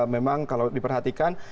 memang kalau diperhatikan